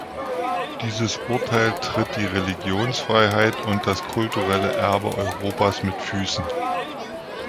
Dieses Urteil tritt die Religionsfreiheit und das kulturelle Erbe Europas mit Füßen.